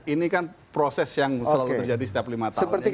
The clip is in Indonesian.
ini kan proses yang selalu terjadi setiap lima tahun